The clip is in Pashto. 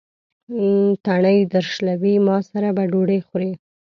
تڼۍ درشلوي: ما سره به ډوډۍ خورې.